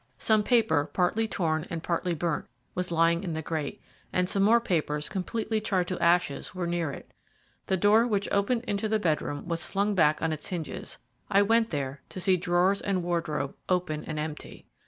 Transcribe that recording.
Some paper partly torn and partly burnt was lying in the grate, and some more papers completely charred to ashes were near it; the door which opened into the bedroom was flung back on its hinges. I went there, to see drawers and wardrobe open and empty.